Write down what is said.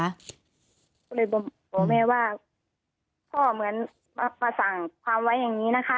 ก็เลยบอกแม่ว่าพ่อเหมือนมาสั่งความไว้อย่างนี้นะคะ